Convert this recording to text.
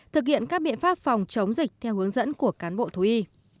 thực hiện các biện pháp phòng chống dịch theo hướng dẫn của cán bộ thú y